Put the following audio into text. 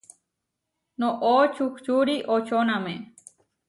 Noʼó čuhčuri očóname.